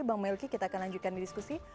bang melki kita akan lanjutkan diskusi